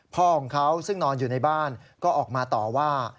พ่อของเขาซึ่งนอนอยู่ในบ้านก็ออกมาต่อว่า